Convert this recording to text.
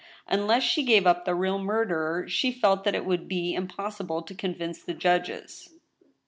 Unless she gave up the real murderer, she felt that it would be impossible to convince the judges.